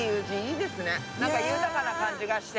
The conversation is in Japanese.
なんか豊かな感じがして。